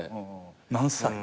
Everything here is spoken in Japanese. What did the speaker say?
何歳？